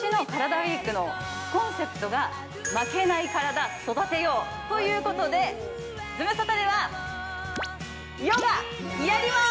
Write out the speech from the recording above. ＷＥＥＫのコンセプトが負けないカラダ、育てようということで、ズムサタではヨガやります。